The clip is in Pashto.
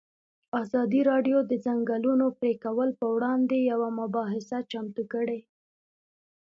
ازادي راډیو د د ځنګلونو پرېکول پر وړاندې یوه مباحثه چمتو کړې.